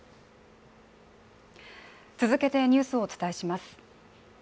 続けてニュースをお伝えします。